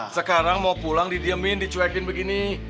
sekarang mau pulang didiemin dicuekin begini